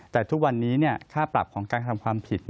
แต่ทุกวันนี้ค่าปรับของการกระทำความผิด